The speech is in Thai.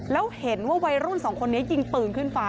แล้วเห็นว่าวัยรุ่นสองคนนี้ยิงปืนขึ้นฟ้า